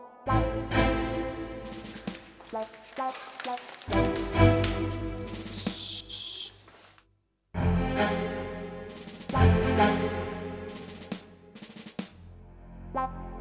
yuk kalau lo percaya yuk